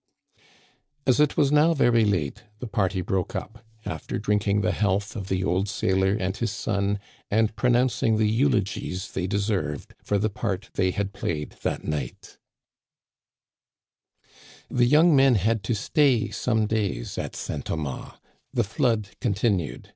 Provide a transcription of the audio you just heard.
As it was now very late, the party broke up, after drinking the health of the old sailor and his son and pronouncing the eulogies they deserved for the part they had played that night. The young men had to stay some days at St. Thom as. The flood continued.